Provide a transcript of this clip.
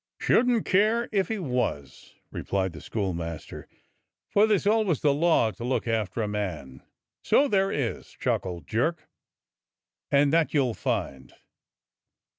"Shouldn't care if he was," replied the schoolmaster, '*for there's always the law to look after a man." "So there is," chuckled Jerk, "and that you'll find."